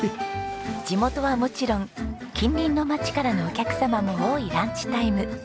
地元はもちろん近隣の街からのお客様も多いランチタイム。